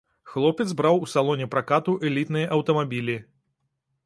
Хлопец браў у салоне пракату элітныя аўтамабілі.